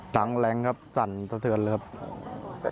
แรงครับสั่นสะเทือนเลยครับ